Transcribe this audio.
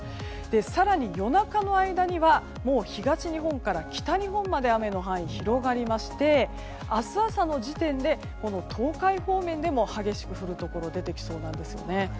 更に、夜中の間には東日本から北日本まで雨の範囲が広がりまして明日朝の時点で東海方面でも激しく降るところ出てきそうなんですよね。